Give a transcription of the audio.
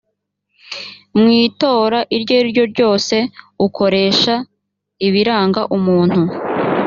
mu itora iryo ari ryo ryose ukoresha ibiranga umuntu